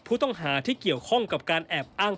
ผู้ต้องหาที่เกี่ยวข้องกับการแอบอ้าง